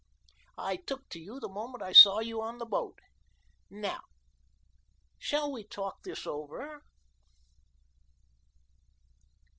I took to you the moment I saw you on the boat. Now shall we talk this over?"